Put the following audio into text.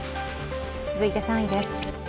続いて３位です。